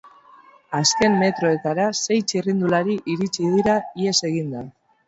Azken metroetara sei txirrindulari iritsi dira ihes eginda.